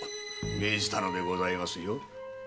命じたのでございますよ。